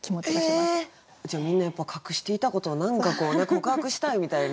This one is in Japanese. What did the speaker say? じゃあみんなやっぱ隠していたことを何か告白したいみたいな。